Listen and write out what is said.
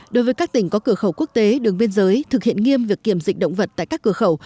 đối với các tỉnh có cửa khẩu quốc tế đường biên giới thực hiện nghiêm việc kiểm dịch động vật tại các cửa khẩu